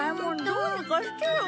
どうにかしてよ。